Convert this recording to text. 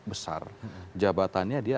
besar jabatannya dia